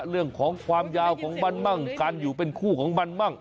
เรื่องของความยาวของมันมั่งการอยู่เป็นคู่ของมันมั่ง